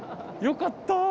よかった！